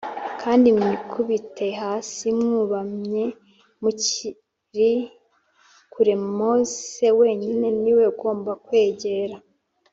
kandi mwikubite hasi mwubamye mukiri kure Mose wenyine ni we ugomba kwegera